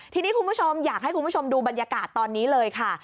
ทีนี้คุณผู้ชมอยากให้คุณผู้ชมดูบรรยากาศตอนนี้เลยค่ะ